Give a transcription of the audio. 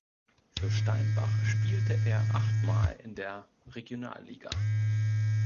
Für Steinbach spielte er acht Mal in der Regionalliga.